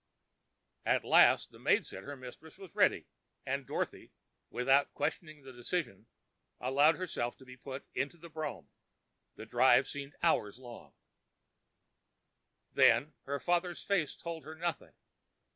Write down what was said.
At last the maid said her mistress was ready, and Dorothy, without questioning the decision, allowed herself to be put into the brougham. The drive seemed hours long, and then—her father's face told her nothing.